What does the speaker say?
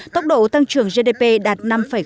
tốc độ tăng trưởng gdp đạt năm năm